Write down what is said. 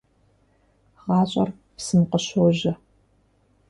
ГъащӀэр псым къыщожьэ.